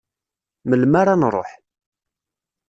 Melmi ara nruḥ.